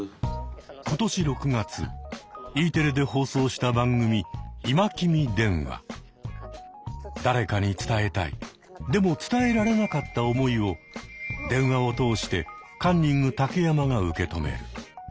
今年６月Ｅテレで放送した番組誰かに伝えたいでも伝えられなかった思いを電話を通してカンニング竹山が受け止める。